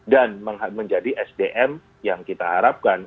dan menjadi sdm yang kita harapkan